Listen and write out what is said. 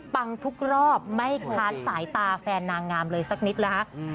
ฟังทุกรอบไม่ค้านสายตาแฟนนางงามเลยสักนิดนะคะ